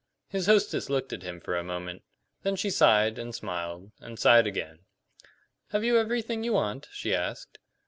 His hostess looked at him for a moment; then she sighed, and smiled, and sighed again. "Have you everything you want?" she asked.